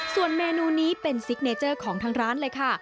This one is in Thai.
ส่วนเมนูนี้เป็นซิกเนเจอร์ของทางร้านเลยค่ะ